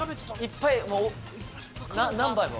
いっぱい何杯も。